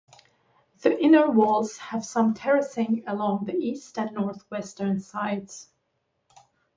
The inner walls have some terracing along the east and northwestern sides.